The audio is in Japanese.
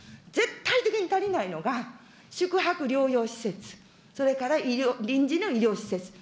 絶対的に足りないのが、宿泊療養施設、それから臨時の医療施設。